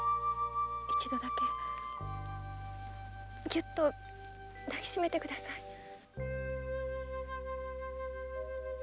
一度だけぎゅっと抱きしめてください。